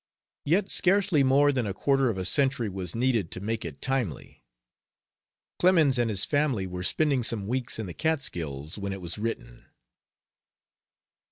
Yet scarcely more than a quarter of a century was needed to make it "timely." Clemens and his family were spending some weeks in the Catskills when it was written.